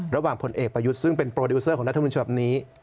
ระหว่างผลเอกประยุทธ์ซึ่งเป็นโปรดิวเซอร์ของรัฐธรรมนิชย์แบบนี้